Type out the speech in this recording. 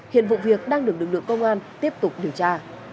hiện vụ việc đang được lực lượng công an tiếp tục điều tra